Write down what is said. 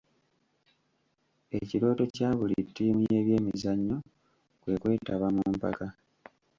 Ekirooto kya buli ttiimu y'ebyemizannyo kwe kwetaba mu mpaka.